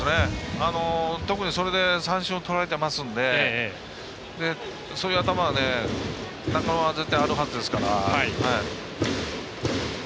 特にそれで三振をとられていますのでそういう頭は中野は絶対あるはずですから。